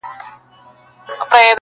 دا د کوم شریف قوم استازي ندي